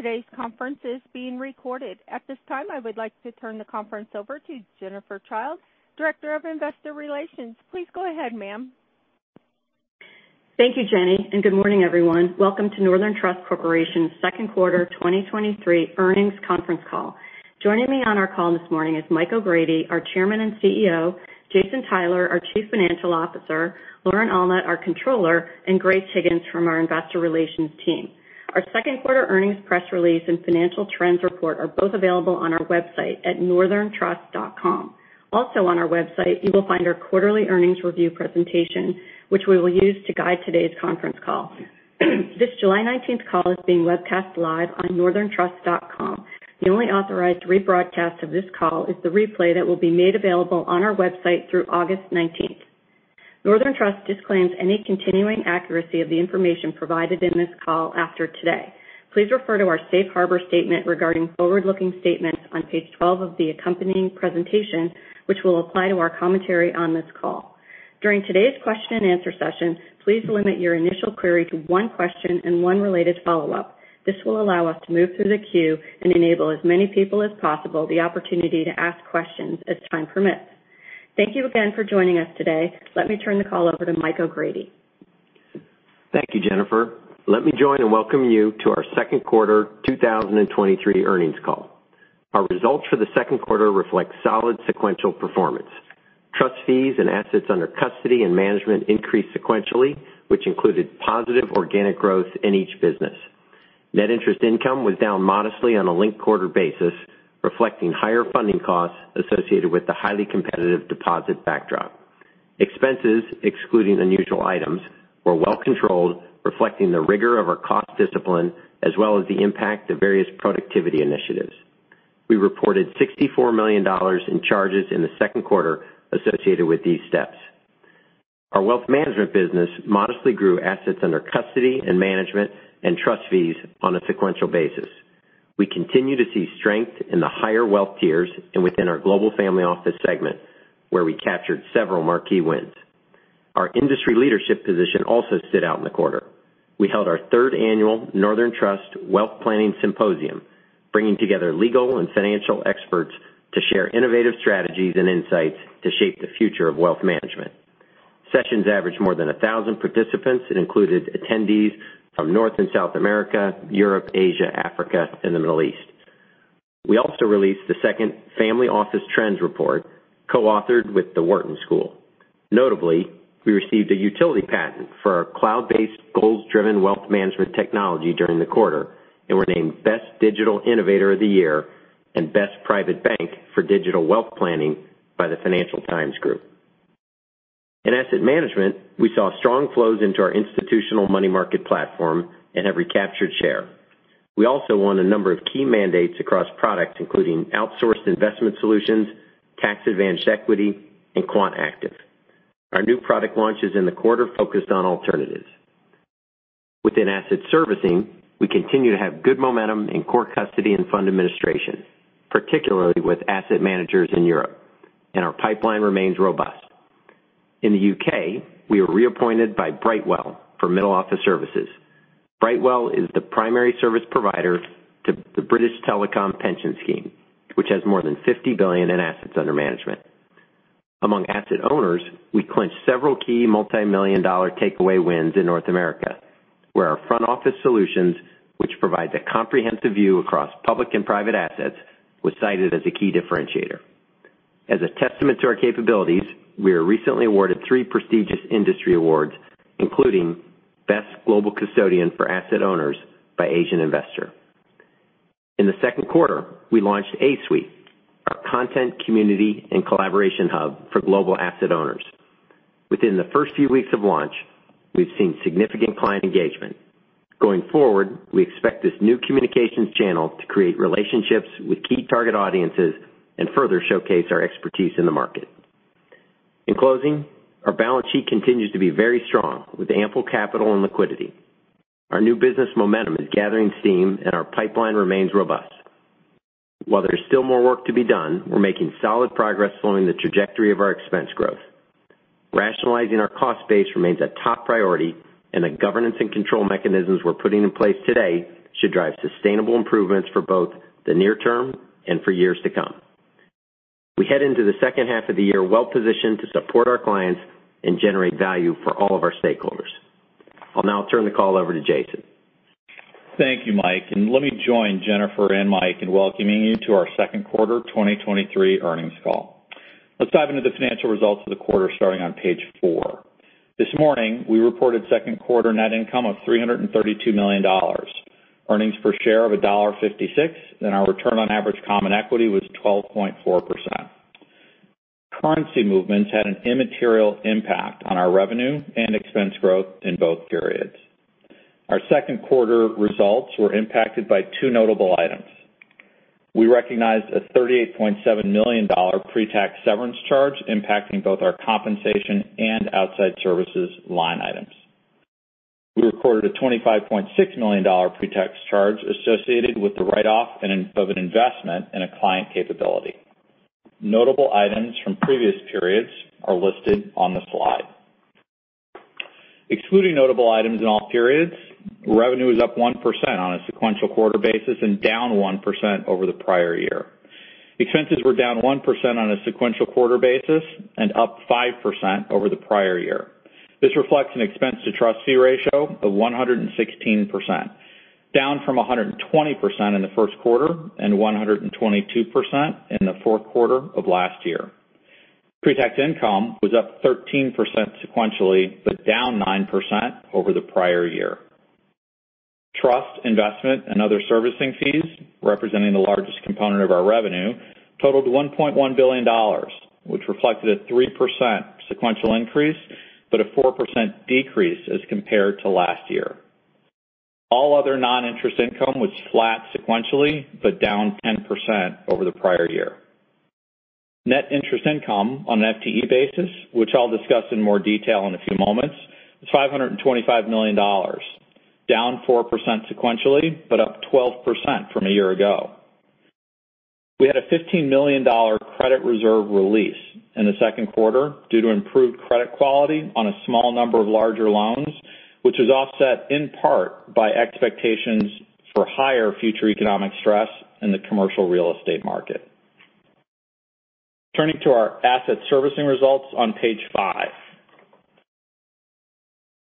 Today's conference is being recorded. At this time, I would like to turn the conference over to Jennifer Childe, Director of Investor Relations. Please go ahead, ma'am. Thank you, Jenny, and good morning, everyone. Welcome to Northern Trust Corporation's second quarter 2023 earnings conference call. Joining me on our call this morning is Michael O'Grady, our Chairman and CEO, Jason Tyler, our Chief Financial Officer, Lauren Allnutt, our Controller, and Grace Higgins from our investor relations team. Our second quarter earnings press release and financial trends report are both available on our website at northerntrust.com. Also on our website, you will find our quarterly earnings review presentation, which we will use to guide today's conference call. This July 19th call is being webcast live on northerntrust.com. The only authorized rebroadcast of this call is the replay that will be made available on our website through August 19th. Northern Trust disclaims any continuing accuracy of the information provided in this call after today. Please refer to our safe harbor statement regarding forward-looking statements on page 12 of the accompanying presentation, which will apply to our commentary on this call. During today's question and answer session, please limit your initial query to one question and one related follow-up. This will allow us to move through the queue and enable as many people as possible the opportunity to ask questions as time permits. Thank you again for joining us today. Let me turn the call over to Michael O'Grady. Thank you, Jennifer. Let me join and welcome you to our second quarter 2023 earnings call. Our results for the second quarter reflect solid sequential performance. Trust fees and assets under custody and management increased sequentially, which included positive organic growth in each business. Net interest income was down modestly on a linked quarter basis, reflecting higher funding costs associated with the highly competitive deposit backdrop. Expenses, excluding unusual items, were well controlled, reflecting the rigor of our cost discipline, as well as the impact of various productivity initiatives. We reported $64 million in charges in the second quarter associated with these steps. Our wealth management business modestly grew assets under custody and management and trust fees on a sequential basis. We continue to see strength in the higher wealth tiers and within our global family office segment, where we captured several marquee wins. Our industry leadership position also stood out in the quarter. We held our third annual Northern Trust Wealth Planning Symposium, bringing together legal and financial experts to share innovative strategies and insights to shape the future of wealth management. Sessions averaged more than 1,000 participants and included attendees from North and South America, Europe, Asia, Africa, and the Middle East. We also released the second Family Office Trends Report, co-authored with the Wharton School. Notably, we received a utility patent for our cloud-based, goals-driven wealth management technology during the quarter, and were named Best Digital Innovator of the Year and Best Private Bank for Digital Wealth Planning by the Financial Times Group. In asset management, we saw strong flows into our institutional money market platform and have recaptured share. We also won a number of key mandates across products, including outsourced investment solutions, Tax-Advantaged Equity, and quant active. Our new product launches in the quarter focused on alternatives. Within asset servicing, we continue to have good momentum in core custody and fund administration, particularly with asset managers in Europe. Our pipeline remains robust. In the U.K., we were reappointed by Brightwell for middle-office services. Brightwell is the primary service provider to the BT Pension Scheme, which has more than $50 billion in assets under management. Among asset owners, we clinched several key multimillion-dollar takeaway wins in North America, where our front-office solutions, which provides a comprehensive view across public and private assets, was cited as a key differentiator. As a testament to our capabilities, we were recently awarded three prestigious industry awards, including Best Global Custodian for Asset Owners by. In the second quarter, we launched A-Suite, our content, community, and collaboration hub for global asset owners. Within the first few weeks of launch, we've seen significant client engagement. Going forward, we expect this new communications channel to create relationships with key target audiences and further showcase our expertise in the market. In closing, our balance sheet continues to be very strong, with ample capital and liquidity. Our new business momentum is gathering steam, and our pipeline remains robust. While there's still more work to be done, we're making solid progress slowing the trajectory of our expense growth. Rationalizing our cost base remains a top priority, and the governance and control mechanisms we're putting in place today should drive sustainable improvements for both the near term and for years to come. We head into the second half of the year well-positioned to support our clients and generate value for all of our stakeholders. I'll now turn the call over to Jason. Thank you, Mike, and let me join Jennifer and Mike in welcoming you to our second quarter 2023 earnings call. Let's dive into the financial results of the quarter, starting on page four. This morning, we reported second quarter net income of $332 million, earnings per share of $1.56, and our return on average common equity was 12.4%. Currency movements had an immaterial impact on our revenue and expense growth in both periods. Our second quarter results were impacted by two notable items. We recognized a $38.7 million pre-tax severance charge, impacting both our compensation and outside services line items. We recorded a $25.6 million pre-tax charge associated with the write-off of an investment in a client capability. Notable items from previous periods are listed on the slide. Excluding notable items in all periods, revenue is up 1% on a sequential quarter basis and down 1% over the prior year. Expenses were down 1% on a sequential quarter basis and up 5% over the prior year. This reflects an expense-to-trust fee ratio of 116%, down from 120% in the first quarter and 122% in the fourth quarter of last year. Pre-tax income was up 13% sequentially, but down 9% over the prior year. Trust, investment, and other servicing fees, representing the largest component of our revenue, totaled $1.1 billion, which reflected a 3% sequential increase, but a 4% decrease as compared to last year. All other non-interest income was flat sequentially, but down 10% over the prior year. Net interest income on an FTE basis, which I'll discuss in more detail in a few moments, is $525 million, down 4% sequentially, but up 12% from a year ago. We had a $15 million credit reserve release in the second quarter due to improved credit quality on a small number of larger loans, which was offset in part by expectations for higher future economic stress in the commercial real estate market. Turning to our asset servicing results on page five.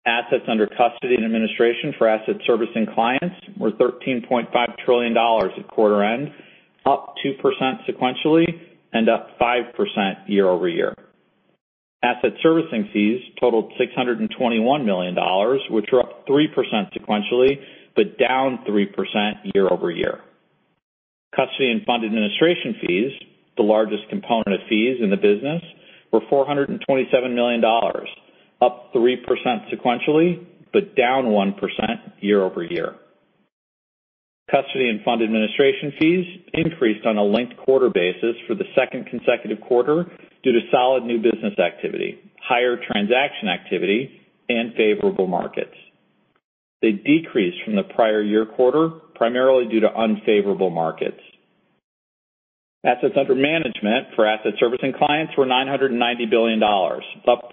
Assets under custody and administration for asset servicing clients were $13.5 trillion at quarter end, up 2% sequentially and up 5% year-over-year. Asset servicing fees totaled $621 million, which were up 3% sequentially, but down 3% year-over-year. Custody and fund administration fees, the largest component of fees in the business, were $427 million, up 3% sequentially, down 1% year-over-year. Custody and fund administration fees increased on a linked quarter basis for the 2nd consecutive quarter due to solid new business activity, higher transaction activity, and favorable markets. They decreased from the prior year quarter, primarily due to unfavorable markets. Assets under management for asset servicing clients were $990 billion, up 3%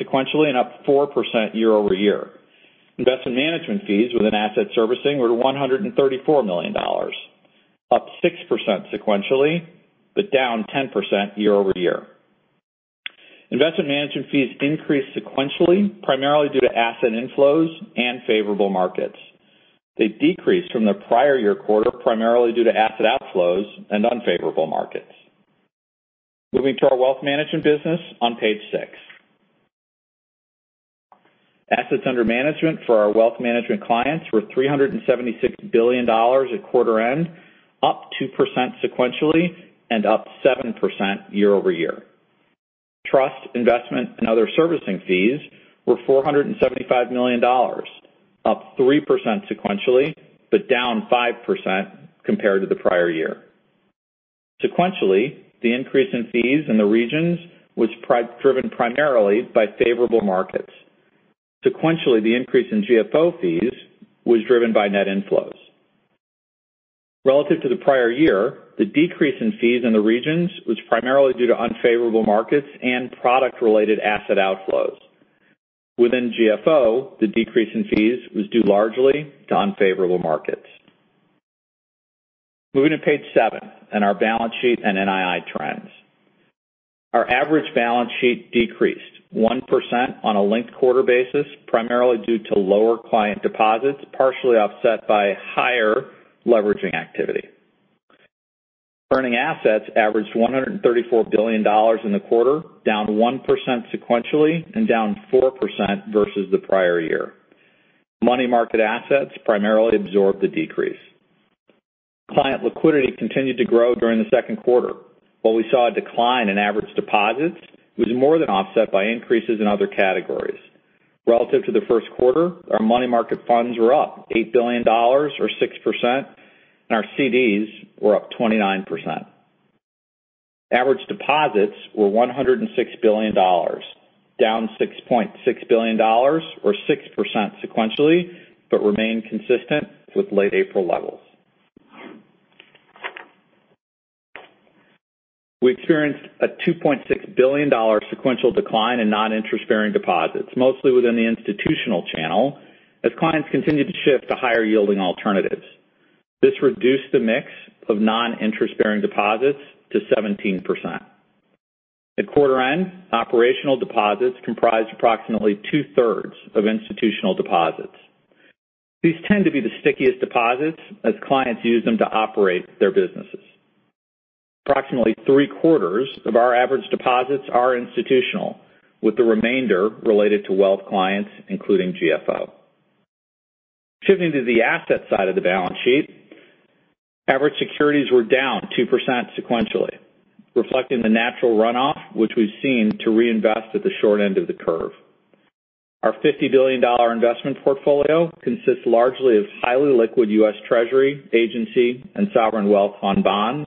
sequentially and up 4% year-over-year. Investment management fees within asset servicing were $134 million, up 6% sequentially, down 10% year-over-year. Investment management fees increased sequentially, primarily due to asset inflows and favorable markets. They decreased from the prior year quarter, primarily due to asset outflows and unfavorable markets. Moving to our wealth management business on page six. Assets under management for our wealth management clients were $376 billion at quarter end, up 2% sequentially and up 7% year-over-year. Trust, investment, and other servicing fees were $475 million, up 3% sequentially, but down 5% compared to the prior year. Sequentially, the increase in fees in the regions was driven primarily by favorable markets. Sequentially, the increase in GFO fees was driven by net inflows. Relative to the prior year, the decrease in fees in the regions was primarily due to unfavorable markets and product-related asset outflows. Within GFO, the decrease in fees was due largely to unfavorable markets. Moving to page seven, and our balance sheet and NII trends. Our average balance sheet decreased 1% on a linked-quarter basis, primarily due to lower client deposits, partially offset by higher leveraging activity. Earning assets averaged $134 billion in the quarter, down 1% sequentially and down 4% versus the prior year. Money market assets primarily absorbed the decrease. Client liquidity continued to grow during the second quarter. While we saw a decline in average deposits, it was more than offset by increases in other categories. Relative to the first quarter, our money market funds were up $8 billion or 6%, and our CDs were up 29%. Average deposits were $106 billion, down $6.6 billion or 6% sequentially, but remain consistent with late April levels. We experienced a $2.6 billion sequential decline in non-interest-bearing deposits, mostly within the institutional channel, as clients continued to shift to higher-yielding alternatives. This reduced the mix of non-interest-bearing deposits to 17%. At quarter end, operational deposits comprised approximately two-thirds of institutional deposits. These tend to be the stickiest deposits as clients use them to operate their businesses. Approximately three-quarters of our average deposits are institutional, with the remainder related to wealth clients, including GFO. Shifting to the asset side of the balance sheet, average securities were down 2% sequentially, reflecting the natural runoff, which we've seen to reinvest at the short end of the curve. Our $50 billion investment portfolio consists largely of highly liquid U.S. Treasury, agency, and sovereign wealth fund bonds,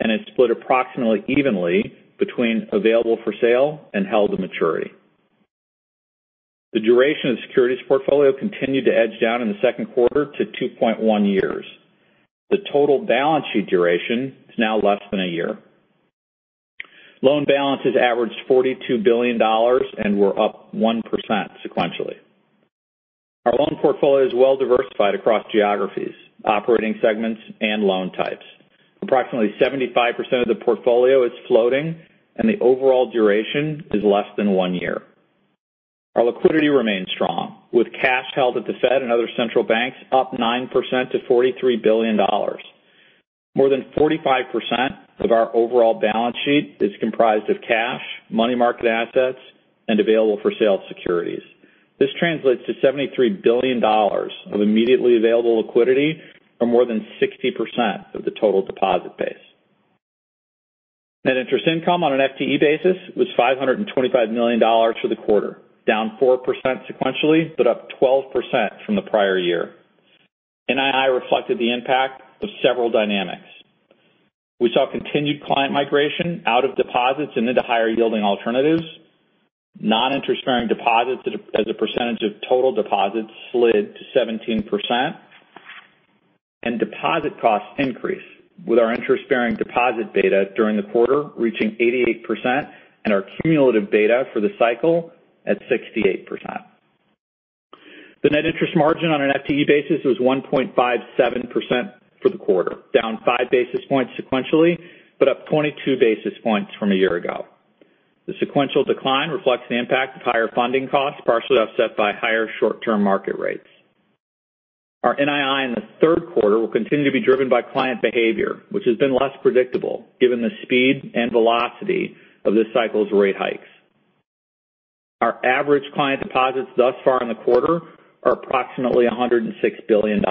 and is split approximately evenly between available for sale and held to maturity. The duration of the securities portfolio continued to edge down in the second quarter to 2.1 years. The total balance sheet duration is now less than a year. Loan balances averaged $42 billion and were up 1% sequentially. Our loan portfolio is well diversified across geographies, operating segments, and loan types. Approximately 75% of the portfolio is floating, and the overall duration is less than one year. Our liquidity remains strong, with cash held at the Fed and other central banks up 9% to $43 billion. More than 45% of our overall balance sheet is comprised of cash, money market assets, and available-for-sale securities. This translates to $73 billion of immediately available liquidity, or more than 60% of the total deposit base. Net interest income on an FTE basis was $525 million for the quarter, down 4% sequentially, up 12% from the prior year. NII reflected the impact of several dynamics. We saw continued client migration out of deposits and into higher-yielding alternatives. Non-interest-bearing deposits as a percentage of total deposits slid to 17%, Deposit costs increased, with our interest-bearing deposit beta during the quarter reaching 88% and our cumulative beta for the cycle at 68%. The net interest margin on an FTE basis was 1.57% for the quarter, down 5 basis points sequentially, up 22 basis points from a year ago. The sequential decline reflects the impact of higher funding costs, partially offset by higher short-term market rates. Our NII in the third quarter will continue to be driven by client behavior, which has been less predictable given the speed and velocity of this cycle's rate hikes. Our average client deposits thus far in the quarter are approximately $106 billion.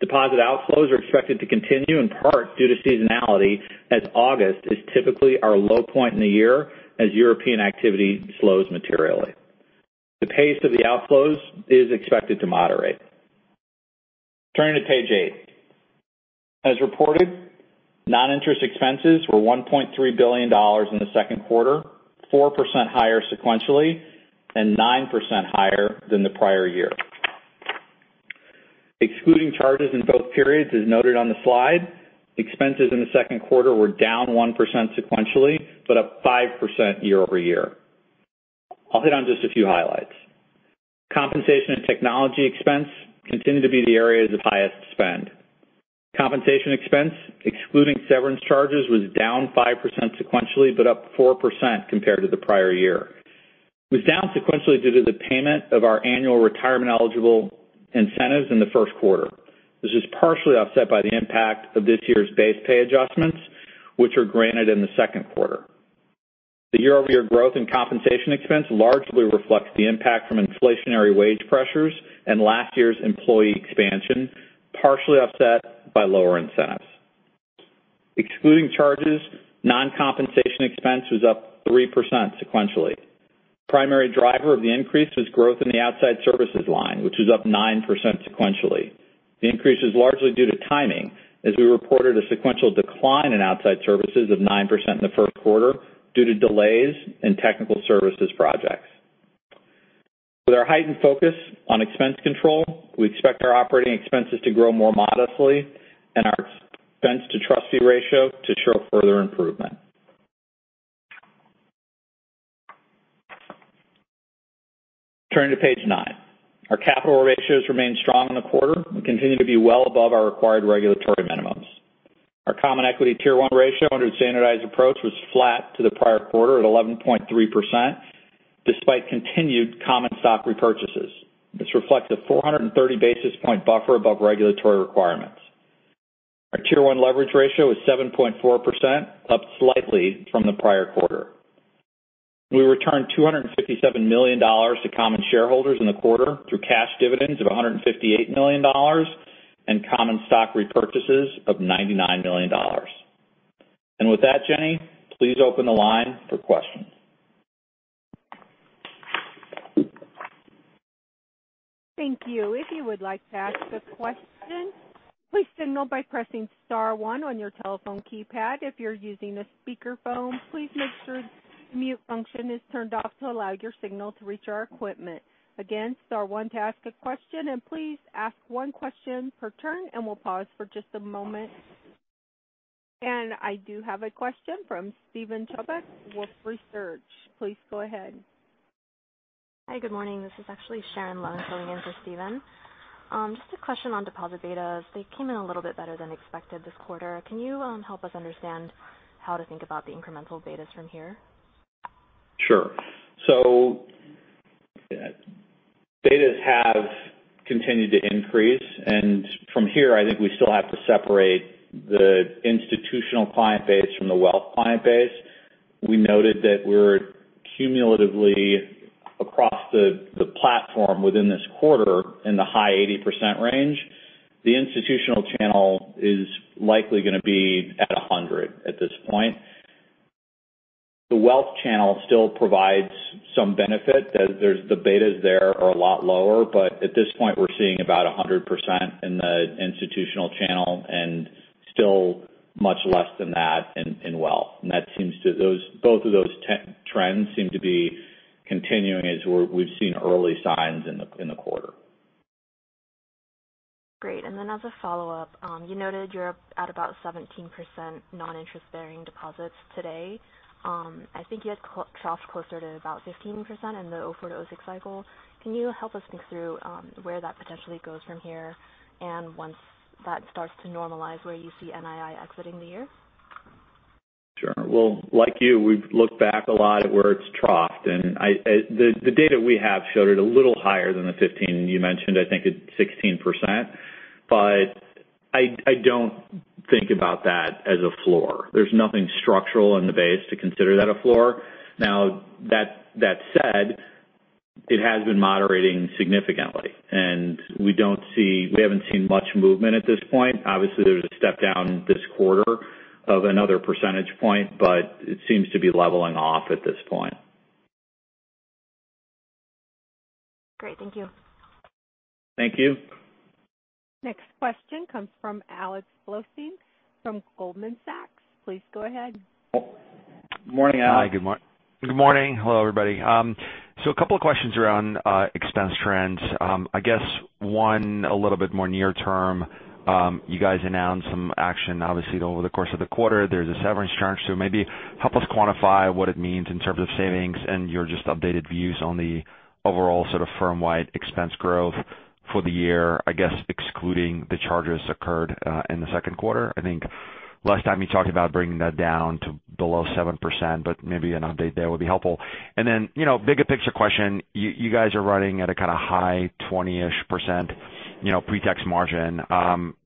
Deposit outflows are expected to continue, in part due to seasonality, as August is typically our low point in the year as European activity slows materially. The pace of the outflows is expected to moderate. Turning to page 8. As reported, non-interest expenses were $1.3 billion in the second quarter, 4% higher sequentially, 9% higher than the prior year. Excluding charges in both periods, as noted on the slide, expenses in the second quarter were down 1% sequentially, up 5% year-over-year. I'll hit on just a few highlights. Compensation and technology expense continue to be the areas of highest spend. Compensation expense, excluding severance charges, was down 5% sequentially, but up 4% compared to the prior year. It was down sequentially due to the payment of our annual retirement-eligible incentives in the first quarter. This is partially offset by the impact of this year's base pay adjustments, which are granted in the second quarter. The year-over-year growth in compensation expense largely reflects the impact from inflationary wage pressures and last year's employee expansion, partially offset by lower incentives. Excluding charges, non-compensation expense was up 3% sequentially. Primary driver of the increase was growth in the outside services line, which was up 9% sequentially. The increase is largely due to timing, as we reported a sequential decline in outside services of 9% in the first quarter due to delays in technical services projects. With our heightened focus on expense control, we expect our operating expenses to grow more modestly and our expense-to-trust fee ratio to show further improvement. Turning to page nine. Our capital ratios remained strong in the quarter and continue to be well above our required regulatory minimums. Our Common Equity Tier 1 ratio under the standardized approach was flat to the prior quarter at 11.3%, despite continued common stock repurchases. This reflects a 430 basis point buffer above regulatory requirements. Our Tier 1 leverage ratio is 7.4%, up slightly from the prior quarter. We returned $257 million to common shareholders in the quarter through cash dividends of $158 million and common stock repurchases of $99 million. With that, Jenny, please open the line for questions. Thank you. If you would like to ask a question, please signal by pressing star one on your telephone keypad. If you're using a speakerphone, please make sure the mute function is turned off to allow your signal to reach our equipment. Again, star one to ask a question, and please ask one question per turn, and we'll pause for just a moment. I do have a question from Steven Chubak, Wolfe Research. Please go ahead. Hi, good morning. This is actually Sharon Leung filling in for Steven. Just a question on deposit betas. They came in a little bit better than expected this quarter. Can you help us understand how to think about the incremental betas from here? Sure. Betas have continued to increase, and from here, I think we still have to separate the institutional client base from the wealth client base. We noted that we're cumulatively across the platform within this quarter in the high 80% range. The institutional channel is likely going to be at 100% at this point. The wealth channel still provides some benefit. The betas there are a lot lower, but at this point, we're seeing about 100% in the institutional channel and still much less than that in wealth. Both of those trends seem to be continuing as we've seen early signs in the quarter. Great. As a follow-up, you noted you're at about 17% non-interest-bearing deposits today. I think you had troughed closer to about 15% in the 2004-2006 cycle. Can you help us think through, where that potentially goes from here, and once that starts to normalize, where you see NII exiting the year? Sure. Like you, we've looked back a lot at where it's troughed, and the data we have showed it a little higher than the 15 you mentioned. I think it's 16%, but I don't think about that as a floor. There's nothing structural in the base to consider that a floor. That said, it has been moderating significantly, and we haven't seen much movement at this point. Obviously, there's a step down this quarter of another percentage point, but it seems to be leveling off at this point. Great. Thank you. Thank you. Next question comes from Alex Blostein, from Goldman Sachs. Please go ahead. Morning, Alex. Hi, good morning. Hello, everybody. A couple of questions around expense trends. I guess one, a little bit more near term. You guys announced some action, obviously, over the course of the quarter. There's a severance charge, maybe help us quantify what it means in terms of savings and your just updated views on the overall sort of firm-wide expense growth for the year, I guess, excluding the charges occurred in the second quarter. I think last time you talked about bringing that down to below 7%, maybe an update there would be helpful. You know, bigger picture question, you guys are running at a kind of high 20-ish%, you know, pre-tax margin.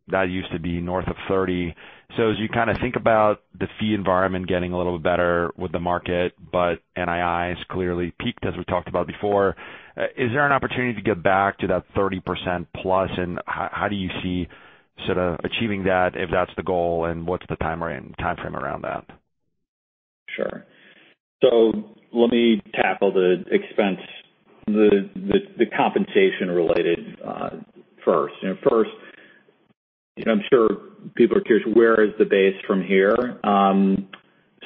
That used to be north of 30%. As you kind of think about the fee environment getting a little bit better with the market, but NII has clearly peaked, as we talked about before, is there an opportunity to get back to that 30% plus? How do you see sort of achieving that, if that's the goal, and what's the time frame around that? Sure. Let me tackle the expense, the compensation-related, first. You know, first, I'm sure people are curious, where is the base from here?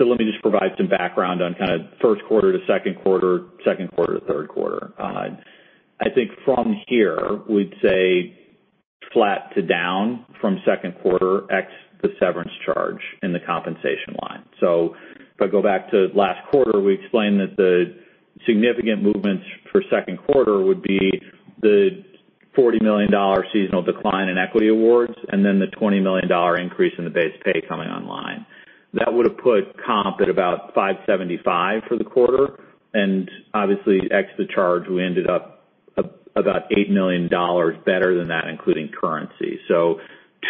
Let me just provide some background on kind of first quarter to second quarter, second quarter to third quarter. I think from here, we'd say flat to down from second quarter, ex the severance charge in the compensation line. If I go back to last quarter, we explained that the significant movements for second quarter would be the $40 million seasonal decline in equity awards, and then the $20 million increase in the base pay coming online. That would have put comp at about $575 for the quarter, and obviously, ex the charge, we ended up about $8 million better than that, including currency.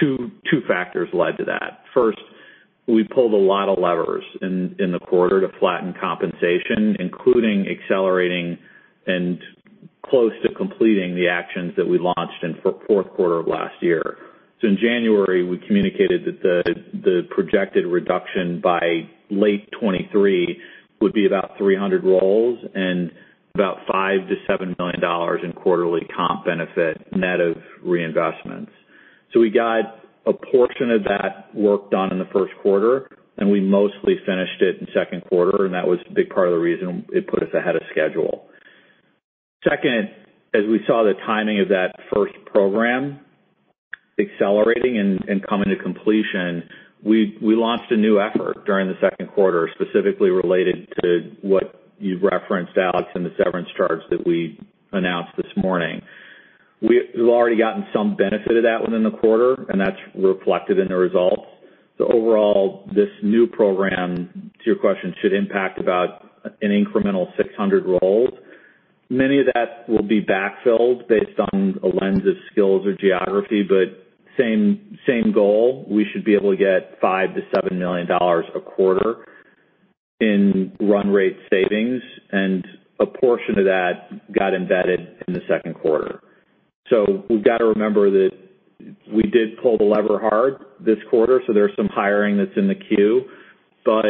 two factors led to that. First, we pulled a lot of levers in the quarter to flatten compensation, including accelerating and close to completing the actions that we launched in fourth quarter of last year. In January, we communicated that the projected reduction by late 2023 would be about 300 roles and about $5 million-$7 million in quarterly comp benefit, net of reinvestments. We got a portion of that work done in the first quarter, and we mostly finished it in second quarter, and that was a big part of the reason it put us ahead of schedule. Second, as we saw the timing of that first program accelerating and coming to completion, we launched a new effort during the second quarter, specifically related to what you referenced, Alex, in the severance charge that we announced this morning. We've already gotten some benefit of that within the quarter, and that's reflected in the results. Overall, this new program, to your question, should impact about an incremental 600 roles. Many of that will be backfilled based on a lens of skills or geography, but same goal. We should be able to get $5 million-$7 million a quarter in run rate savings, and a portion of that got embedded in the second quarter. We've got to remember that we did pull the lever hard this quarter, so there's some hiring that's in the queue, but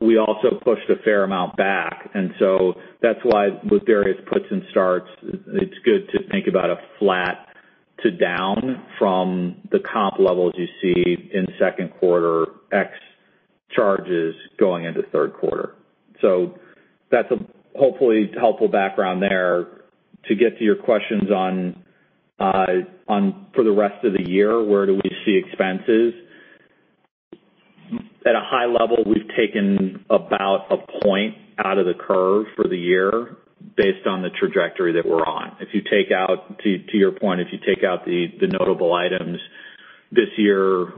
we also pushed a fair amount back. That's why with various puts and starts, it's good to think about a flat to down from the comp levels you see in second quarter, ex charges going into third quarter. That's a hopefully helpful background there. To get to your questions on for the rest of the year, where do we see expenses? At a high level, we've taken about a point out of the curve for the year based on the trajectory that we're on. If you take out to your point, if you take out the notable items this year,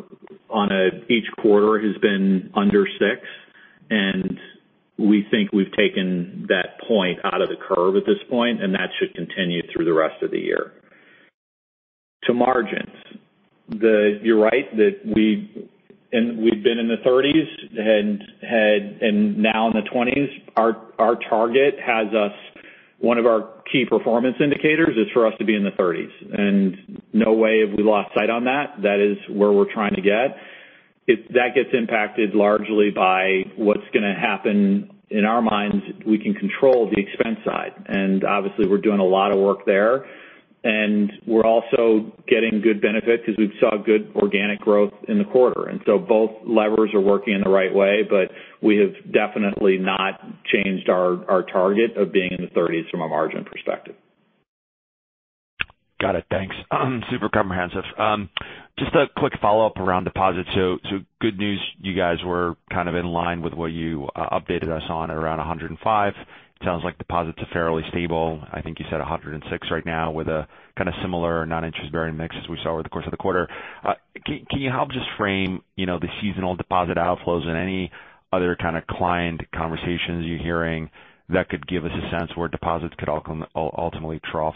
each quarter has been under six. We think we've taken that point out of the curve at this point, and that should continue through the rest of the year. To margins, you're right, that we've been in the 30%s and now in the 20%s. Our target has us, one of our key performance indicators is for us to be in the 30%s, no way have we lost sight on that. That is where we're trying to get. That gets impacted largely by what's gonna happen. In our minds, we can control the expense side. Obviously, we're doing a lot of work there. We're also getting good benefit because we saw good organic growth in the quarter. Both levers are working in the right way. We have definitely not changed our target of being in the 30%s from a margin perspective. Got it. Thanks. Super comprehensive. Just a quick follow-up around deposits. Good news, you guys were kind of in line with what you updated us on around $105. Sounds like deposits are fairly stable. I think you said $106 right now with a kind of similar non-interest bearing mix as we saw over the course of the quarter. Can you help just frame, you know, the seasonal deposit outflows and any other kind of client conversations you're hearing that could give us a sense where deposits could ultimately trough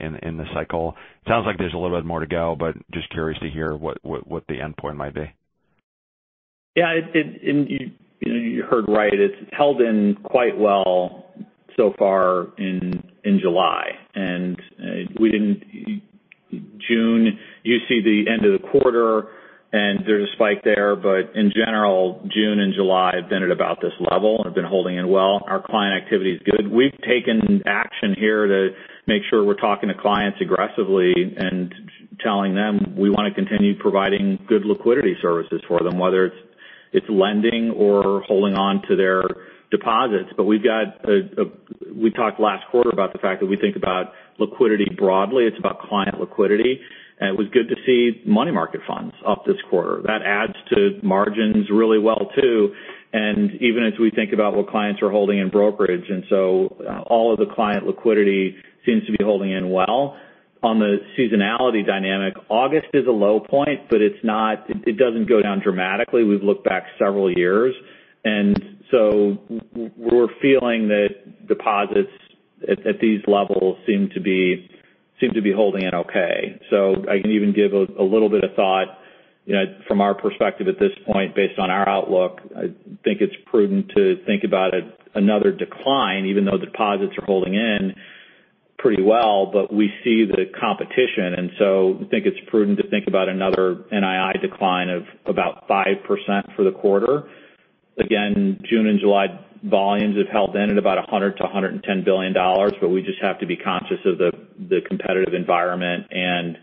in the cycle? Sounds like there's a little bit more to go, just curious to hear what the endpoint might be. Yeah, it, and you heard right. It's held in quite well so far in July. June, you see the end of the quarter, there's a spike there. In general, June and July have been at about this level and have been holding in well. Our client activity is good. We've taken action here to make sure we're talking to clients aggressively and telling them we want to continue providing good liquidity services for them, whether it's lending or holding on to their deposits. We've got, we talked last quarter about the fact that we think about liquidity broadly. It's about client liquidity. It was good to see money market funds up this quarter. That adds to margins really well, too, and even as we think about what clients are holding in brokerage, and so, all of the client liquidity seems to be holding in well. On the seasonality dynamic, August is a low point, but it doesn't go down dramatically. We've looked back several years, and so we're feeling that deposits at these levels seem to be holding in okay. I can even give a little bit of thought, you know, from our perspective at this point, based on our outlook, I think it's prudent to think about another decline, even though deposits are holding in pretty well. We see the competition, we think it's prudent to think about another NII decline of about 5% for the quarter. June and July volumes have held in at about $100 billion-$110 billion, but we just have to be conscious of the competitive environment and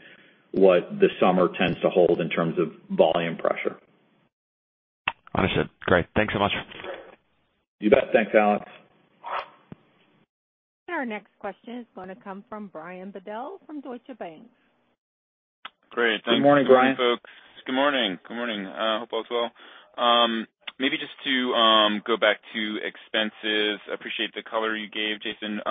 what the summer tends to hold in terms of volume pressure. Understood. Great. Thanks so much. You bet. Thanks, Alex. Our next question is going to come from Brian Bedell, from Deutsche Bank. Great. Good morning, Brian. Good morning, folks. Good morning. Good morning. hope all is well. maybe just to go back to expenses. I appreciate the color you gave, Jason.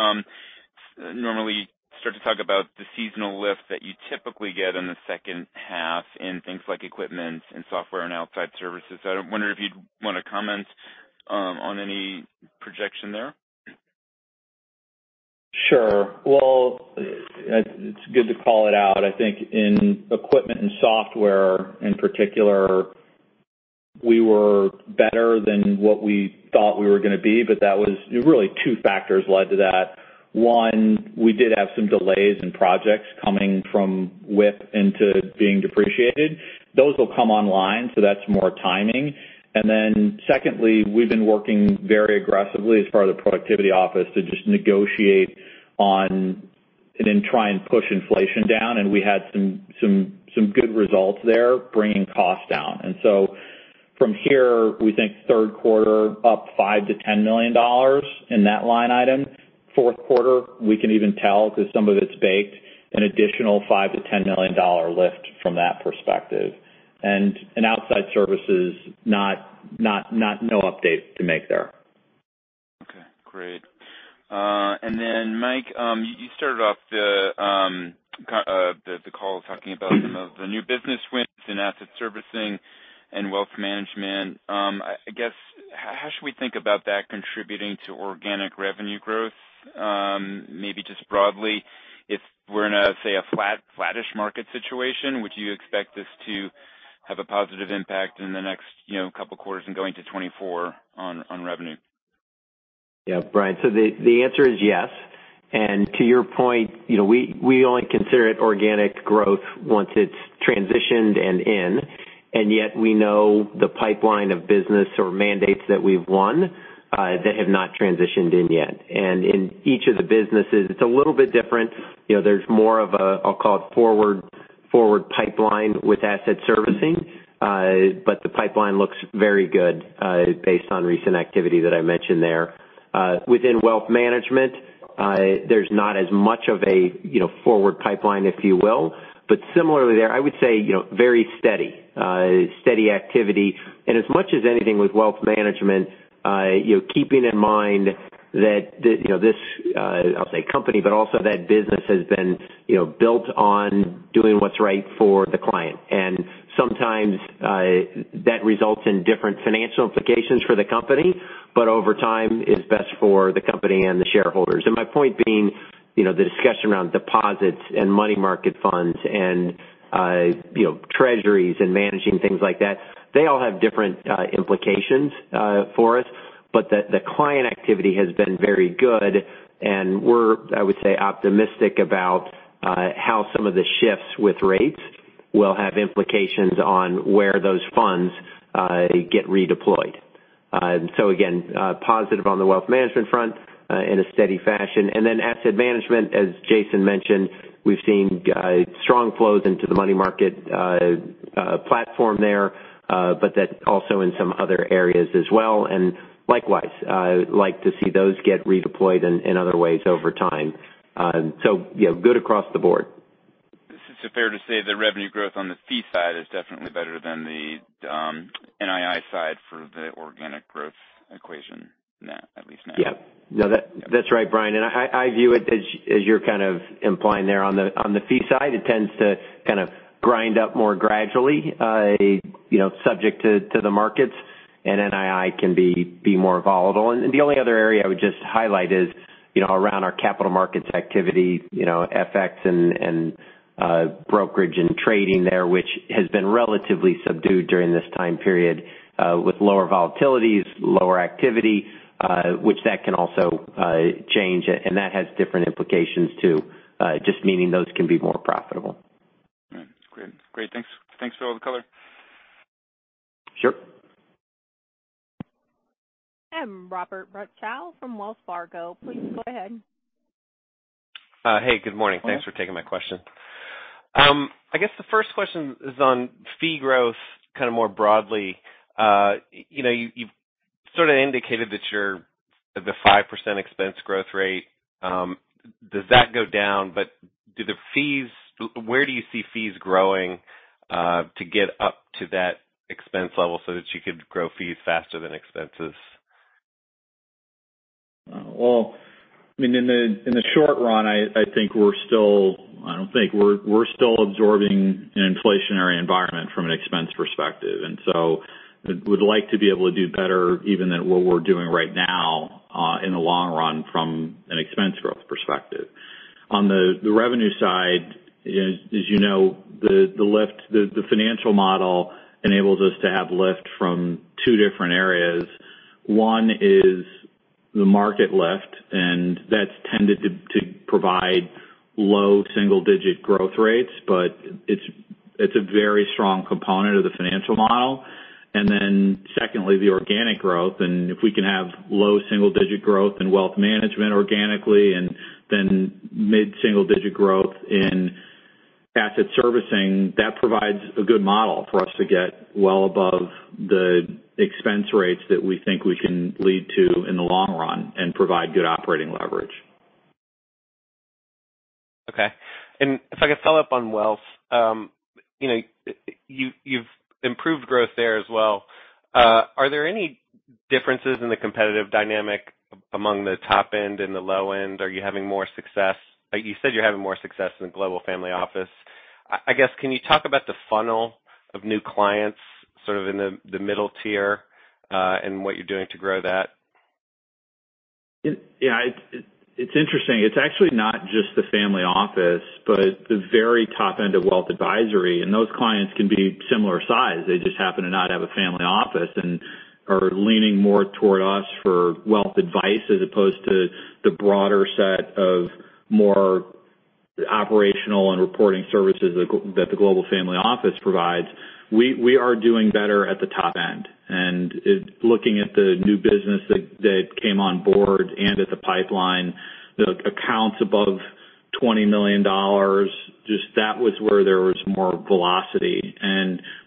normally start to talk about the seasonal lift that you typically get in the second half in things like equipment and software and outside services. I wonder if you'd want to comment on any projection there? Sure. Well, it's good to call it out. I think in equipment and software in particular, we were better than what we thought we were going to be, but that was really two factors led to that. One, we did have some delays in projects coming from width into being depreciated. Those will come online, so that's more timing. Secondly, we've been working very aggressively as part of the productivity office to just negotiate on and then try and push inflation down, and we had some good results there, bringing costs down. From here, we think third quarter, up $5 million-$10 million in that line item. Fourth quarter, we can even tell, because some of it's baked, an additional $5 million-$10 million lift from that perspective. Outside services, not no update to make there. Okay, great. Mike, you started off the kind, the call talking about some of the new business wins in asset servicing and wealth management. I guess, how should we think about that contributing to organic revenue growth? Maybe just broadly, if we're in a, say, a flat, flattish market situation, would you expect this to have a positive impact in the next, you know, couple quarters and going to 2024 on revenue? Brian, the answer is yes. To your point, you know, we only consider it organic growth once it's transitioned and in, and yet we know the pipeline of business or mandates that we've won that have not transitioned in yet. In each of the businesses, it's a little bit different. You know, there's more of a, I'll call it forward pipeline with asset servicing, but the pipeline looks very good based on recent activity that I mentioned there. Within wealth management, there's not as much of a, you know, forward pipeline, if you will. Similarly there, I would say, you know, very steady activity. As much as anything with wealth management, you know, keeping in mind that you know, this, I'll say company, but also that business has been, you know, built on doing what's right for the client. Sometimes, that results in different financial implications for the company, but over time, is best for the company and the shareholders. My point being, you know, the discussion around deposits and money market funds and, you know, treasuries and managing things like that, they all have different implications for us. The client activity has been very good, and we're, I would say, optimistic about how some of the shifts with rates will have implications on where those funds get redeployed. Again, positive on the wealth management front, in a steady fashion. Asset management, as Jason mentioned, we've seen strong flows into the money market platform there, but that also in some other areas as well. Likewise, I like to see those get redeployed in other ways over time. Yeah, good across the board. Fair to say the revenue growth on the fee side is definitely better than the NII side for the organic growth equation now, at least now? Yep. No, that's right, Brian, I view it as you're kind of implying there on the fee side, it tends to kind of grind up more gradually, you know, subject to the markets, NII can be more volatile. The only other area I would just highlight is, you know, around our capital markets activity, you know, FX and brokerage and trading there, which has been relatively subdued during this time period, with lower volatilities, lower activity, which that can also change, and that has different implications, too, just meaning those can be more profitable. All right. Great. Great, thanks. Thanks for all the color. Sure. Mike Mayo from Wells Fargo, please go ahead. Hey, good morning. Thanks for taking my question. I guess the first question is on fee growth, kind of more broadly. You know, you've sort of indicated that you're at the 5% expense growth rate. Does that go down? Where do you see fees growing to get up to that expense level so that you could grow fees faster than expenses? Well, I mean, in the short run, I don't think we're still absorbing an inflationary environment from an expense perspective, and so would like to be able to do better even than what we're doing right now, in the long run, from an expense growth perspective. On the revenue side, as you know, the lift, the financial model enables us to have lift from two different areas. One is the market lift, and that's tended to provide low single-digit growth rates, but it's a very strong component of the financial model. Secondly, the organic growth, and if we can have low single-digit growth in wealth management organically and then mid-single-digit growth in asset servicing, that provides a good model for us to get well above the expense rates that we think we can lead to in the long run and provide good operating leverage. Okay. If I could follow up on wealth, you know, you've improved growth there as well. Are there any differences in the competitive dynamic among the top end and the low end? Are you having more success? You said you're having more success in the global family office. I guess, can you talk about the funnel of new clients, sort of in the middle tier, and what you're doing to grow that? Yeah, it's interesting. It's actually not just the family office, but the very top end of wealth advisory, and those clients can be similar size. They just happen to not have a family office and are leaning more toward us for wealth advice, as opposed to the broader set of more operational and reporting services that the global family office provides. We are doing better at the top end, looking at the new business that came on board and at the pipeline, the accounts above $20 million, just that was where there was more velocity.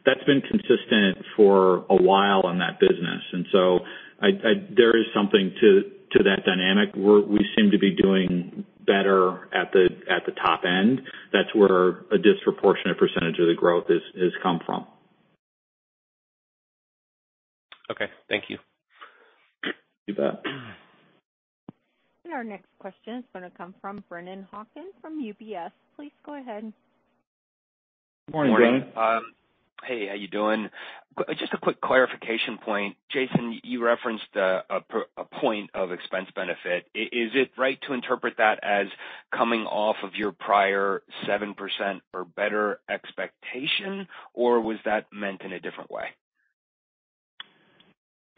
That's been consistent for a while in that business. I, there is something to that dynamic, where we seem to be doing better at the top end. That's where a disproportionate percentage of the growth has come from. Okay, thank you. You bet. Our next question is going to come from Brennan Hawken from UBS. Please go ahead. Morning, Brennan. Morning. Hey, how you doing? Just a quick clarification point. Jason, you referenced a point of expense benefit. Is it right to interpret that as coming off of your prior 7% or better expectation, or was that meant in a different way?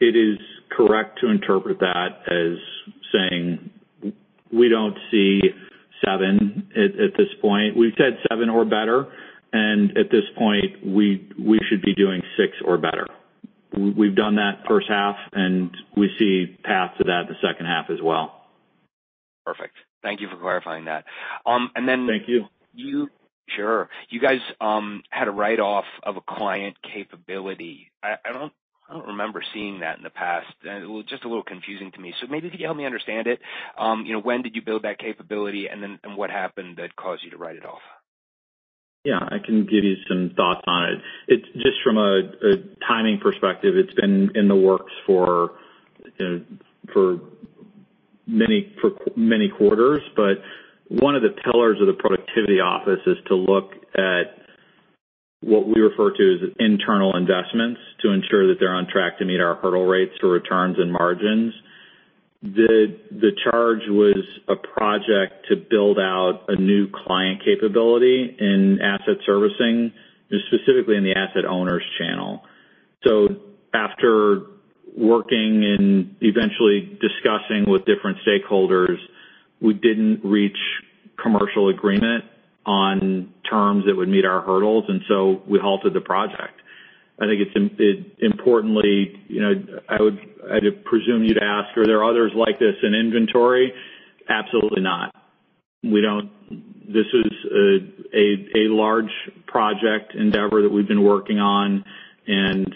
It is correct to interpret that as saying we don't see 7% at this point. We've said 7% or better. At this point, we should be doing 6% or better. We've done that first half, and we see path to that the second half as well. Perfect. Thank you for clarifying that. Thank you. Sure. You guys had a write-off of a client capability. I don't remember seeing that in the past, and it was just a little confusing to me. Maybe if you could help me understand it. You know, when did you build that capability, and what happened that caused you to write it off? Yeah, I can give you some thoughts on it. It's just from a timing perspective, it's been in the works for many quarters. One of the pillars of the Productivity Office is to look at what we refer to as internal investments, to ensure that they're on track to meet our hurdle rates for returns and margins. The, the charge was a project to build out a new client capability in asset servicing, specifically in the asset owners channel. After working and eventually discussing with different stakeholders, we didn't reach commercial agreement on terms that would meet our hurdles, we halted the project. I think it's importantly, you know, I'd presume you'd ask, are there others like this in inventory? Absolutely not. We don't. This is a large project endeavor that we've been working on and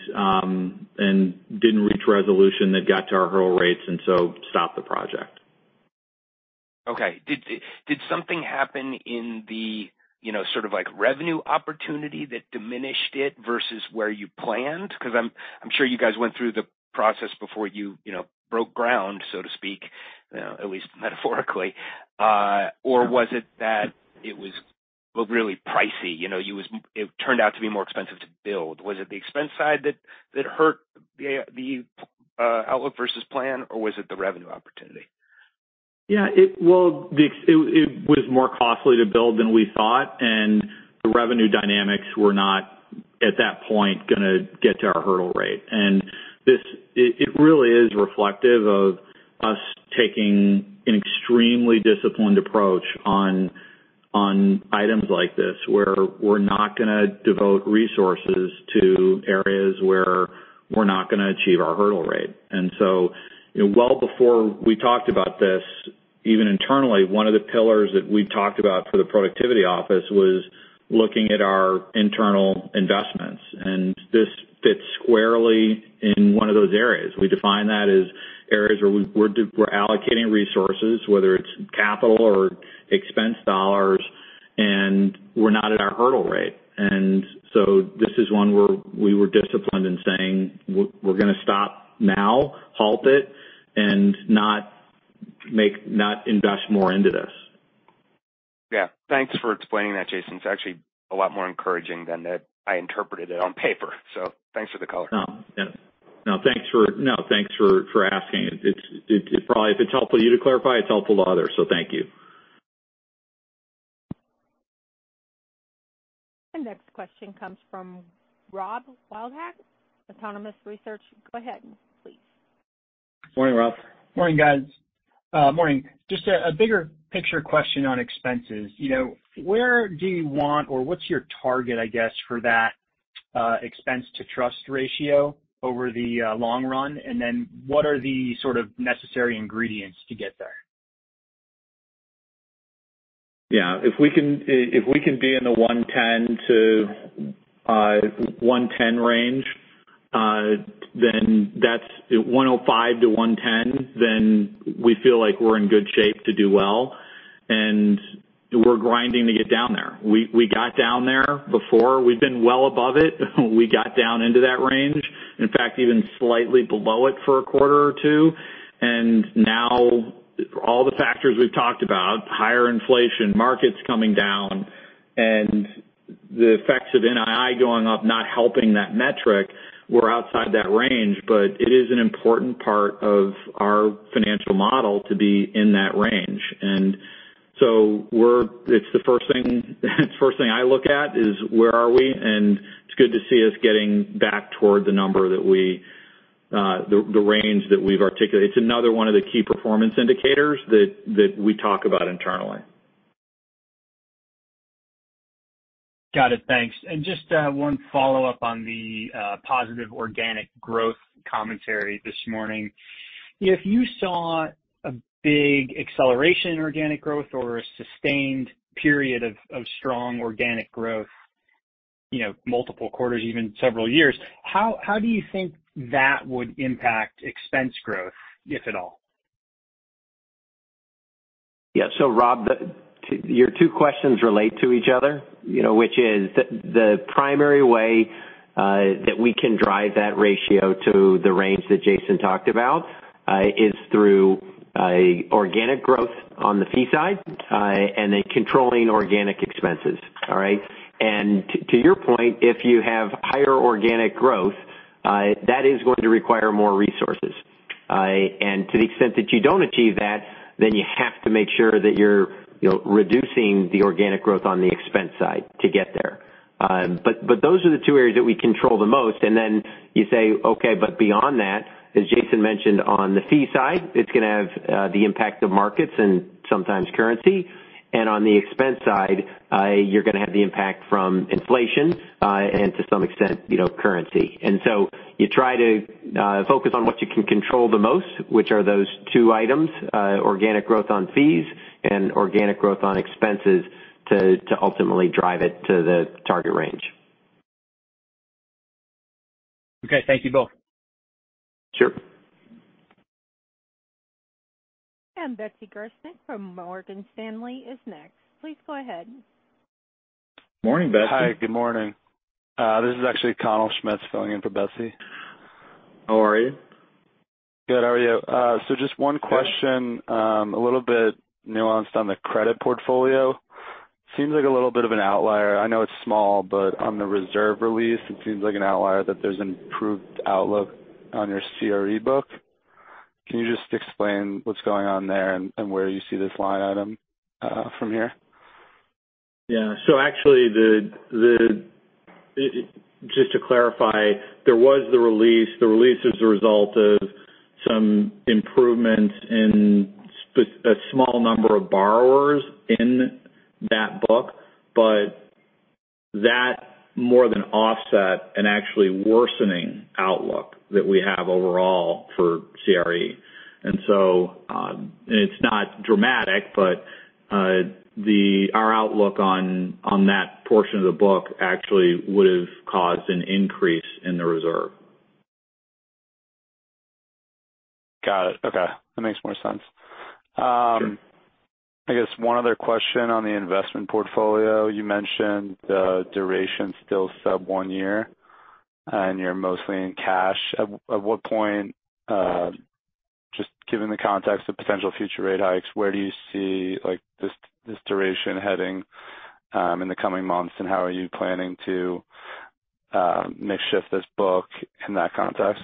didn't reach resolution that got to our hurdle rates, and so stopped the project. Okay. Did something happen in the, you know, sort of like revenue opportunity that diminished it versus where you planned? I'm sure you guys went through the process before you know, broke ground, so to speak, at least metaphorically. Was it that it was, well, really pricey? You know, it turned out to be more expensive to build. Was it the expense side that hurt the outlook versus plan, or was it the revenue opportunity? Yeah, it well, it was more costly to build than we thought, and the revenue dynamics were not, at that point, gonna get to our hurdle rate. This, it really is reflective of us taking an extremely disciplined approach on items like this, where we're not gonna devote resources to areas where we're not gonna achieve our hurdle rate. You know, well, before we talked about this, even internally, one of the pillars that we talked about for the productivity office was looking at our internal investments, and this fits squarely in one of those areas. We define that as areas where we're allocating resources, whether it's capital or expense dollars, and we're not at our hurdle rate. This is one where we were disciplined in saying, "We're gonna stop now, halt it, and not invest more into this. Yeah, thanks for explaining that, Jason. It's actually a lot more encouraging than I interpreted it on paper. Thanks for the color. No. Yeah. No, thanks for asking. It's probably, if it's helpful to you to clarify, it's helpful to others. Thank you. The next question comes from Robert Wildhack, Autonomous Research. Go ahead, please. Morning, Rob. Morning, guys. Morning. Just a bigger picture question on expenses. You know, where do you want or what's your target, I guess, for that expense to trust ratio over the long run? What are the sort of necessary ingredients to get there? Yeah, if we can be in the $110-$110 range, then that's $105-$110. Then we feel like we're in good shape to do well, and we're grinding to get down there. We got down there before. We've been well above it. We got down into that range, in fact, even slightly below it for a quarter or two. Now all the factors we've talked about, higher inflation, markets coming down, and the effects of NII going up, not helping that metric, we're outside that range. It is an important part of our financial model to be in that range. It's the first thing I look at is where are we? It's good to see us getting back toward the number that we, the range that we've articulated. It's another one of the key performance indicators that we talk about internally. Got it. Thanks. Just one follow-up on the positive organic growth commentary this morning. If you saw a big acceleration in organic growth or a sustained period of strong organic growth, you know, multiple quarters, even several years, how do you think that would impact expense growth, if at all? Yeah. Rob, your two questions relate to each other, you know, which is the primary way that we can drive that ratio to the range that Jason talked about is through organic growth on the fee side and then controlling organic expenses. All right? To your point, if you have higher organic growth, that is going to require more resources. To the extent that you don't achieve that, then you have to make sure that you're, you know, reducing the organic growth on the expense side to get there. But those are the two areas that we control the most. You say, okay, beyond that, as Jason mentioned, on the fee side, it's gonna have the impact of markets and sometimes currency. On the expense side, you're gonna have the impact from inflation, and to some extent, you know, currency. You try to focus on what you can control the most, which are those two items, organic growth on fees and organic growth on expenses, to ultimately drive it to the target range. Okay. Thank you both. Sure. Betsy Graseck from Morgan Stanley is next. Please go ahead. Morning, Betsy. Hi, good morning. This is actually Cornell Schmitz filling in for Betsy. How are you? Good. How are you? Just one question, a little bit nuanced on the credit portfolio. Seems like a little bit of an outlier. I know it's small, but on the reserve release, it seems like an outlier that there's improved outlook on your CRE book. Can you just explain what's going on there and where you see this line item, from here? Yeah. Actually, just to clarify, there was the release. The release is a result of some improvements in a small number of borrowers in that book, but that more than offset an actually worsening outlook that we have overall for CRE. It's not dramatic, but our outlook on that portion of the book actually would have caused an increase in the reserve. Got it. Okay, that makes more sense. I guess one other question on the investment portfolio. You mentioned the duration still sub one year, and you're mostly in cash. At what point, just given the context of potential future rate hikes, where do you see, like, this duration heading, in the coming months, and how are you planning to makeshift this book in that context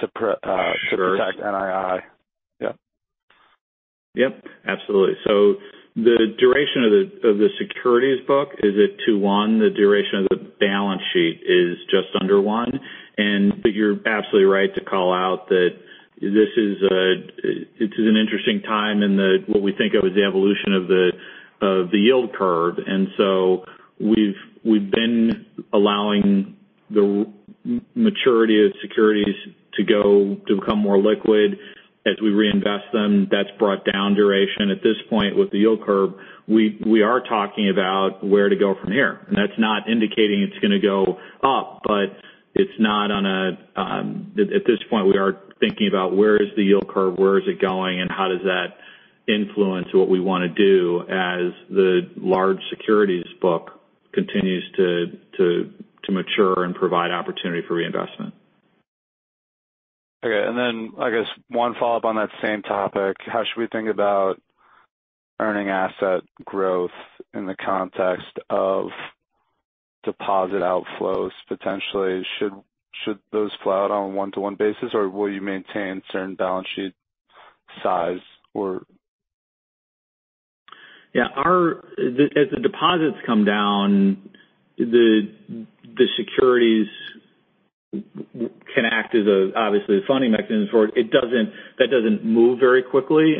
to. Sure. To protect NII? Yeah. Yep, absolutely. The duration of the securities book is at 2.1, the duration of the balance sheet is just under one. You're absolutely right to call out that this is an interesting time in the what we think of as the evolution of the yield curve. We've been allowing the maturity of securities to become more liquid. As we reinvest them, that's brought down duration. At this point with the yield curve, we are talking about where to go from here. That's not indicating it's going to go up. At this point, we are thinking about where is the yield curve, where is it going. How does that influence what we want to do as the large securities book continues to mature and provide opportunity for reinvestment. Okay, I guess one follow-up on that same topic: How should we think about earning asset growth in the context of deposit outflows? Potentially, should those flow out on a one-to-one basis, or will you maintain certain balance sheet size, or? Yeah, our as the deposits come down, the securities can act as a, obviously, a funding mechanism for it. That doesn't move very quickly,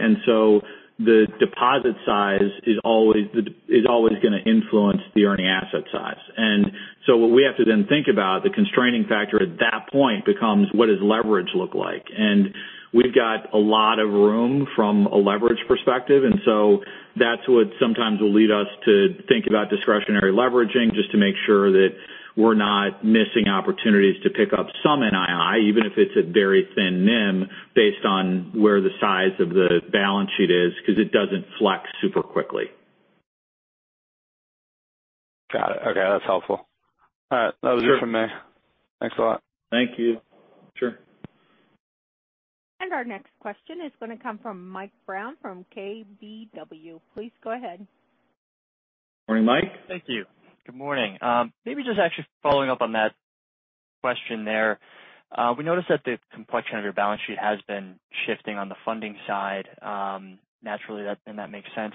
the deposit size is always going to influence the earning asset size. What we have to then think about, the constraining factor at that point becomes: What does leverage look like? We've got a lot of room from a leverage perspective, that's what sometimes will lead us to think about discretionary leveraging, just to make sure that we're not missing opportunities to pick up some NII, even if it's a very thin NIM, based on where the size of the balance sheet is, because it doesn't flex super quickly. Got it. Okay, that's helpful. All right. Sure. That was it from me. Thanks a lot. Thank you. Sure. Our next question is going to come from Mike Brown from KBW. Please go ahead. Morning, Mike. Thank you. Good morning. Maybe just actually following up on that question there? We noticed that the complexion of your balance sheet has been shifting on the funding side. Naturally, that makes sense,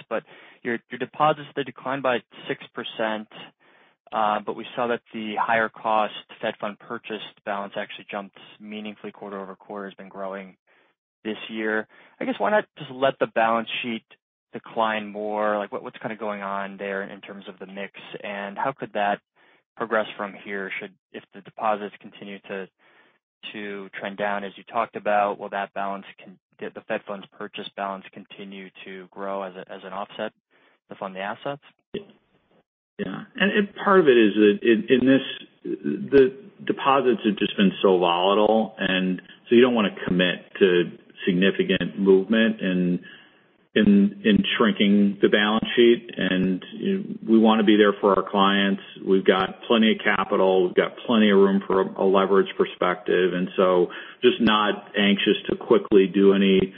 your deposits, they declined by 6%, we saw that the higher cost Fed fund purchased balance actually jumped meaningfully quarter-over-quarter, has been growing this year. I guess, why not just let the balance sheet decline more? Like, what's kind of going on there in terms of the mix, and how could that progress from here, should if the deposits continue to trend down as you talked about, will that balance the Fed funds purchase balance continue to grow as an offset to fund the assets? Yeah. Part of it is that in this, the deposits have just been so volatile. So you don't want to commit to significant movement in, in shrinking the balance sheet. We want to be there for our clients. We've got plenty of capital, we've got plenty of room from a leverage perspective. So just not anxious to quickly do any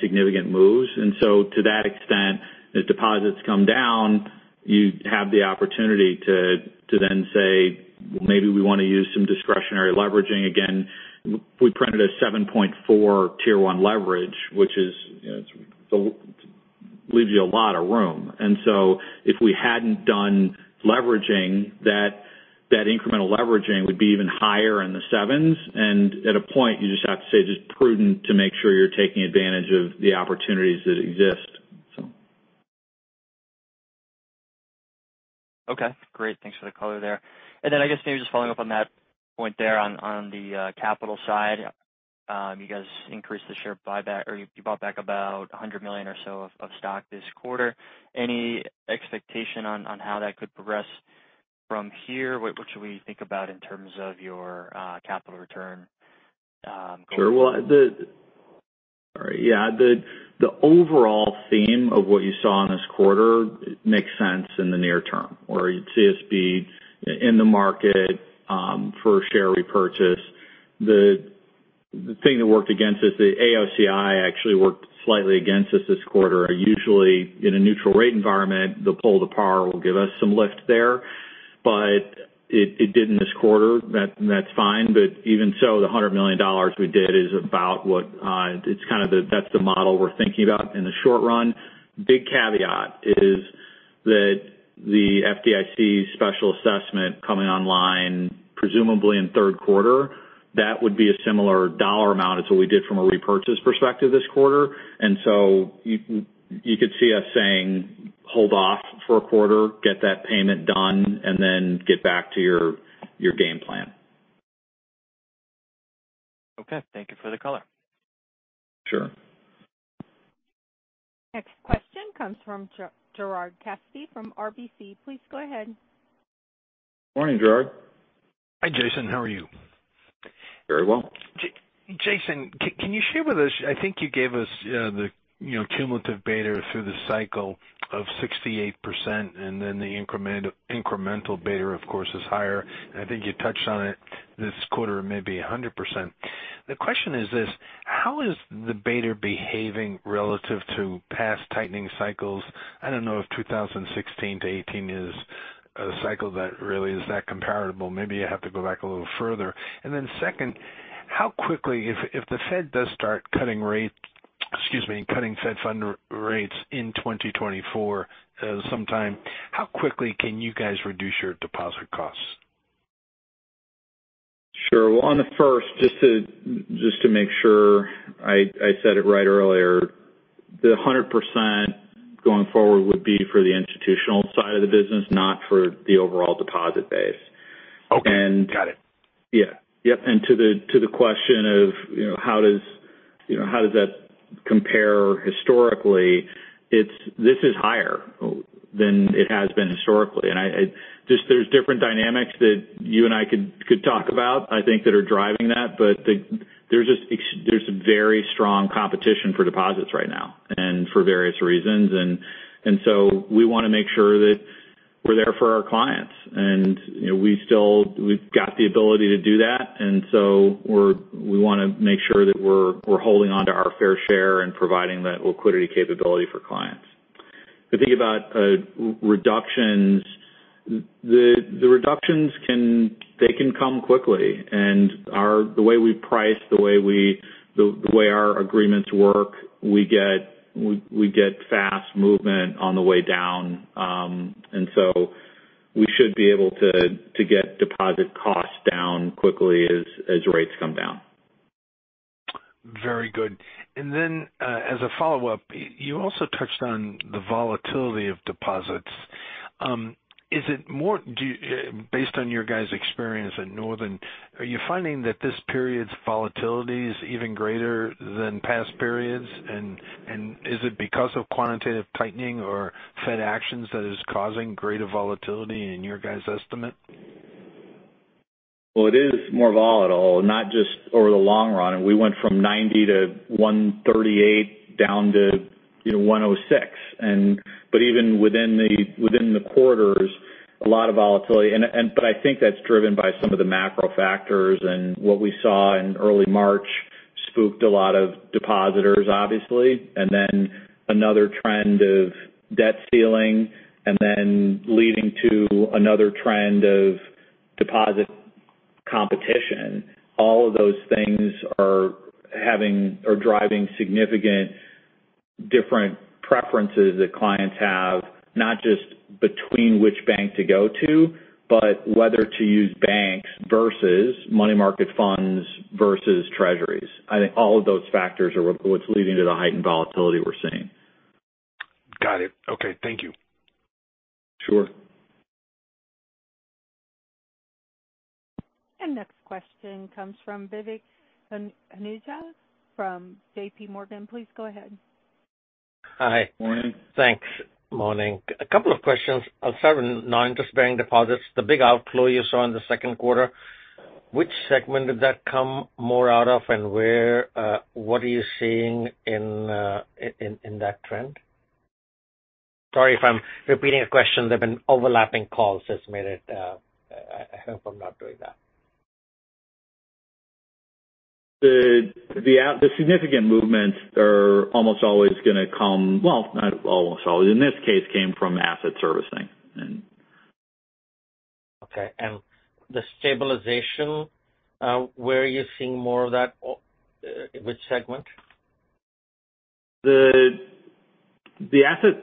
significant moves. To that extent, as deposits come down, you have the opportunity to then say, "Well, maybe we want to use some discretionary leveraging again." We printed a 7.4 Tier 1 leverage, which is, you know, it leaves you a lot of room. If we hadn't done leveraging, that incremental leveraging would be even higher in the sevens. At a point, you just have to say it is prudent to make sure you're taking advantage of the opportunities that exist. Okay, great. Thanks for the color there. I guess maybe just following up on that point there on the capital side, you guys increased the share buyback, or you bought back about $100 million or so of stock this quarter. Any expectation on how that could progress from here? What should we think about in terms of your capital return? Sure. Well, all right, yeah, the overall theme of what you saw in this quarter makes sense in the near term, where you'd see us in the market for a share repurchase. The thing that worked against us, the AOCI actually worked slightly against us this quarter. Usually, in a neutral rate environment, the pull to par will give us some lift there, but it did in this quarter. That's fine, but even so, the $100 million we did is about what, it's kind of the that's the model we're thinking about in the short run. Big caveat is that the FDIC special assessment coming online, presumably in third quarter, that would be a similar dollar amount as what we did from a repurchase perspective this quarter. You could see us saying, "Hold off for a quarter, get that payment done, and then get back to your game plan. Okay. Thank you for the color. Sure. Next question comes from Gerard Cassidy from RBC. Please go ahead. Morning, Gerard. Hi, Jason. How are you? Very well. Jason, can you share with us, I think you gave us, you know, the cumulative beta through the cycle of 68%, and then the incremental beta, of course, is higher. I think you touched on it this quarter, maybe 100%. The question is this: How is the beta behaving relative to past tightening cycles? I don't know if 2016-2018 is a cycle that really is that comparable. Maybe you have to go back a little further. Second, how quickly, if the Fed does start cutting rates, excuse me, cutting Fed fund rates in 2024, sometime, how quickly can you guys reduce your deposit costs? Sure. Well, on the first, just to make sure I said it right earlier, the 100% going forward would be for the institutional side of the business, not for the overall deposit base. Okay. And- Got it. Yeah. Yep, to the question of, you know, how does, you know, how does that compare historically, this is higher than it has been historically. I just there's different dynamics that you and I could talk about, I think, that are driving that. The, there's very strong competition for deposits right now, and for various reasons. We want to make sure that we're there for our clients, and, you know, we still, we've got the ability to do that, so we want to make sure that we're holding on to our fair share and providing that liquidity capability for clients. If you think about reductions, the reductions can come quickly, the way we price, the way our agreements work, we get fast movement on the way down. We should be able to get deposit costs down quickly as rates come down. Very good. Then, as a follow-up, you also touched on the volatility of deposits. Is it more, Based on your guys' experience at Northern, are you finding that this period's volatility is even greater than past periods? Is it because of quantitative tightening or Fed actions that is causing greater volatility in your guys' estimate? Well, it is more volatile, not just over the long run. We went from $90 to $138 down to, you know, $106. Even within the quarters, a lot of volatility. I think that's driven by some of the macro factors, and what we saw in early March spooked a lot of depositors, obviously. Then another trend of debt ceiling, and then leading to another trend of deposit competition. All of those things are having, or driving significant different preferences that clients have, not just between which bank to go to, but whether to use banks versus money market funds versus treasuries. I think all of those factors are what's leading to the heightened volatility we're seeing. Got it. Okay. Thank you. Sure. Next question comes from Vivek Juneja from JP Morgan. Please go ahead. Hi. Morning. Thanks. Morning. A couple of questions. I'll start with non-interest-bearing deposits, the big outflow you saw in the second quarter, which segment did that come more out of? Where, what are you seeing in that trend? Sorry if I'm repeating a question. There've been overlapping calls that's made it, I hope I'm not doing that. The significant movements are almost always going to come, well, not almost always, in this case, came from asset servicing. Okay. The stabilization, where are you seeing more of that, which segment? The asset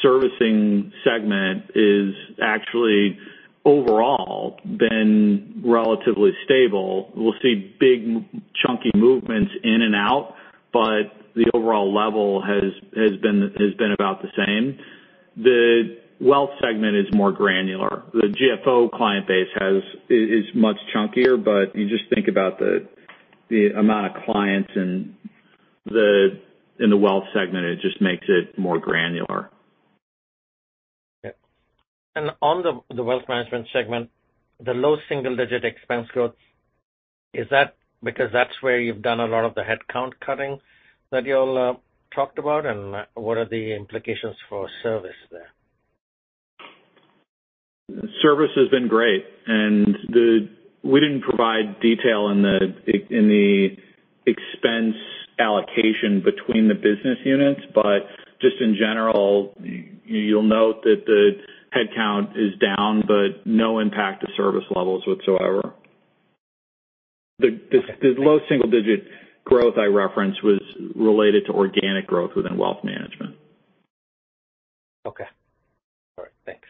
servicing segment is actually overall been relatively stable. We'll see big, chunky movements in and out, but the overall level has been about the same. The wealth segment is more granular. The GFO client base is much chunkier, but you just think about the amount of clients in the, in the wealth segment, it just makes it more granular. Okay. On the wealth management segment, the low single-digit expense growth, is that because that's where you've done a lot of the headcount cutting that you all talked about? What are the implications for service there? Service has been great. We didn't provide detail in the expense allocation between the business units. Just in general, you'll note that the headcount is down, but no impact to service levels whatsoever. The low single-digit growth I referenced was related to organic growth within wealth management. Okay. All right. Thanks.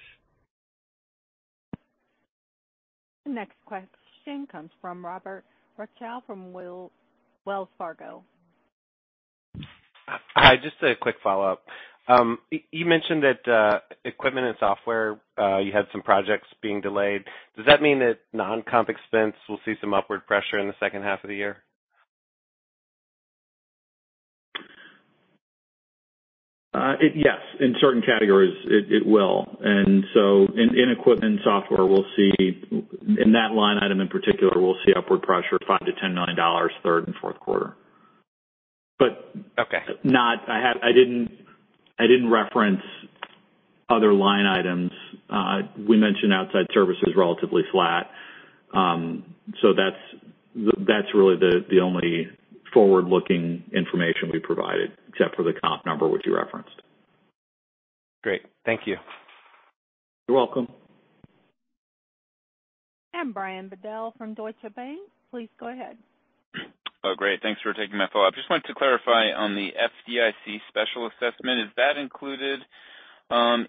The next question comes from Mike Mayo from Wells Fargo. Hi, just a quick follow-up. You mentioned that equipment and software, you had some projects being delayed. Does that mean that non-comp expense will see some upward pressure in the second half of the year? Yes, in certain categories, it will. In equipment and software, we'll see in that line item in particular, we'll see upward pressure, $5 million-$10 million, third and fourth quarter. Okay. Not, I didn't reference other line items. We mentioned outside services, relatively flat. That's really the only forward-looking information we provided, except for the comp number, which you referenced. Great. Thank you. You're welcome. Brian Bedell from Deutsche Bank, please go ahead. Oh, great. Thanks for taking my follow-up. Just wanted to clarify on the FDIC special assessment, is that included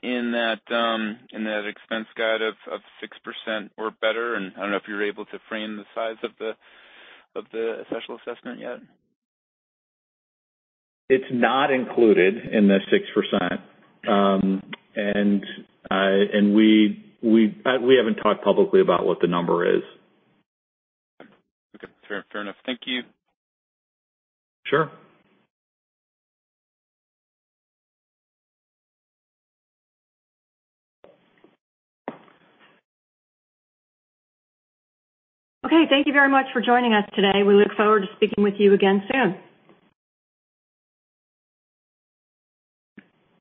in that expense guide of 6% or better? I don't know if you're able to frame the size of the special assessment yet? It's not included in the 6%. and we haven't talked publicly about what the number is. Okay, fair enough. Thank you. Sure. Okay. Thank you very much for joining us today. We look forward to speaking with you again soon.